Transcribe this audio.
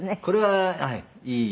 これははい。